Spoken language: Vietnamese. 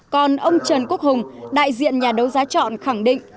còn ông trần quốc hùng đại diện nhà đấu giá chọn khẳng định